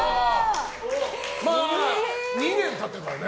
２年経ってるからね。